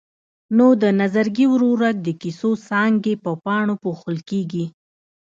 نو د نظرګي ورورک د کیسو څانګې په پاڼو پوښل کېږي.